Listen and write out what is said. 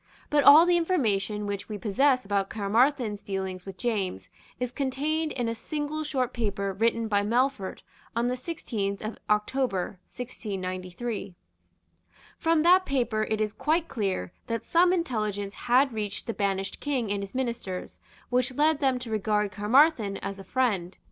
But all the information which we possess about Caermarthen's dealings with James is contained in a single short paper written by Melfort on the sixteenth of October 1693. From that paper it is quite clear that some intelligence had reached the banished King and his Ministers which led them to regard Caermarthen as a friend.